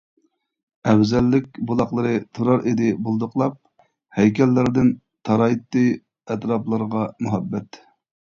ئەۋزەللىك بۇلاقلىرى تۇرار ئىدى بۇلدۇقلاپ، ھەيكەللەردىن تارايتتى ئەتراپلارغا مۇھەببەت.